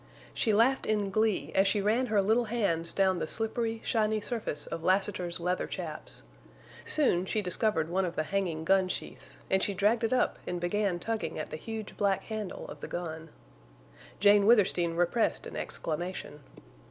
She laughed in glee as she ran her little hands down the slippery, shiny surface of Lassiter's leather chaps. Soon she discovered one of the hanging gun—sheaths, and she dragged it up and began tugging at the huge black handle of the gun. Jane Withersteen repressed an exclamation.